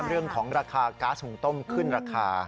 เรื่องของราคาก๊าซหุงต้มขึ้นราคา